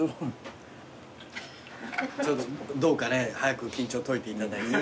ちょっとどうかね早く緊張解いていただいて。